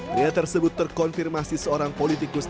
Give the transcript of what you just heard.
pria tersebut terkonfirmasi seorang politikus